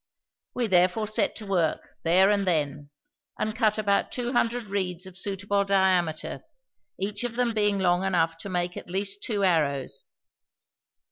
We therefore set to work, there and then, and cut about two hundred reeds of suitable diameter, each of them being long enough to make at least two arrows.